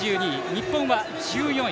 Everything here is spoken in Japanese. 日本は１４位。